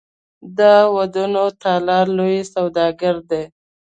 د ودونو تالارونه لویه سوداګري ده